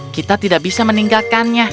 kita tidak bisa meninggalkannya